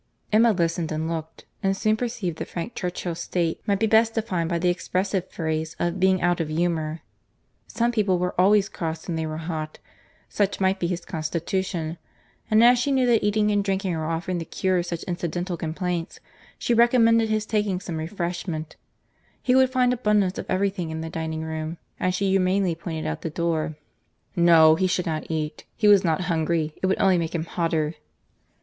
Emma listened, and looked, and soon perceived that Frank Churchill's state might be best defined by the expressive phrase of being out of humour. Some people were always cross when they were hot. Such might be his constitution; and as she knew that eating and drinking were often the cure of such incidental complaints, she recommended his taking some refreshment; he would find abundance of every thing in the dining room—and she humanely pointed out the door. "No—he should not eat. He was not hungry; it would only make him hotter."